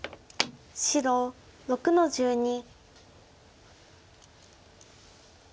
白６の十二。